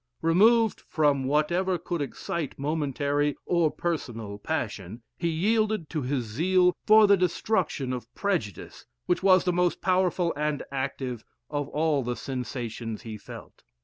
Removed from whatever could excite momentary or personal passion, he yielded to his zeal for the destruction of prejudice, which was the most powerful and active of all the sensations he felt.